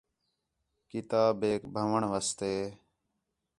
کتابیک بھن٘ؤݨ واسطے